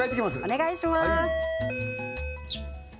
お願いします